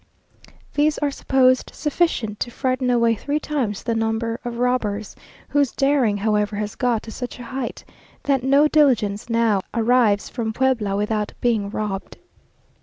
These are supposed sufficient to frighten away three times the number of robbers, whose daring, however, has got to such a height, that no diligence now arrives from Puebla without being robbed.